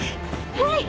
はい！